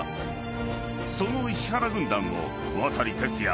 ［その石原軍団を渡哲也。